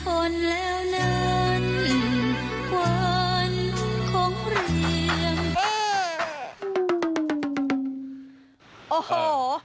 โอ้โฮ